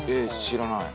知らない。